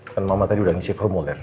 kan mama tadi udah ngisi formulir